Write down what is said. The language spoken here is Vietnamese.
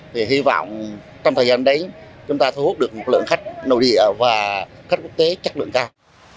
thì hy vọng trong thời gian đấy chúng ta thu hút được một lượng khách nội địa và khách quốc tế chất lượng cao